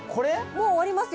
もう終わりますよ